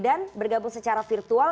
dan bergabung secara virtual